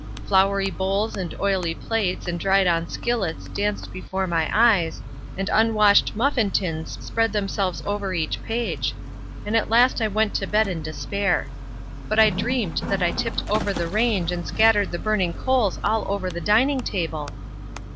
Floury bowls and oily plates and dried on skillets danced before my eyes, and unwashed muffin tins spread themselves over each page; and at last I went to bed in despair. But I dreamed that I tipped over the range and scattered the burning coals all over the dining table